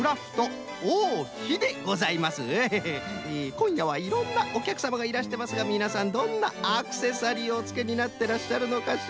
こんやはいろんなおきゃくさまがいらしてますがみなさんどんなアクセサリーをおつけになっていらっしゃるのかしら？